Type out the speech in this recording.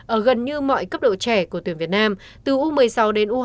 ở gần như mọi cấp độ trẻ của tuyển việt nam từ u một mươi sáu đến u hai mươi